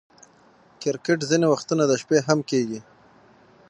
کرکټ ځیني وختونه د شپې هم کیږي.